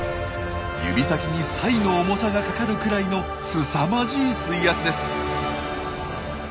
指先にサイの重さがかかるくらいのすさまじい水圧です。